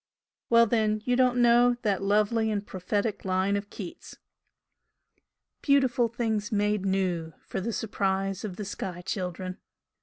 Well then you don't know that lovely and prophetic line of Keats " 'Beautiful things made new For the surprise of the sky children.'